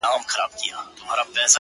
او ستا د ښكلي شاعرۍ په خاطر ـ